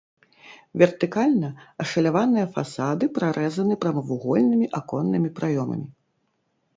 Вертыкальна ашаляваныя фасады прарэзаны прамавугольнымі аконнымі праёмамі.